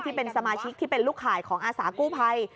ที่เป็นสมาชิกที่เป็นลูกข่ายของอาสากู้ภัย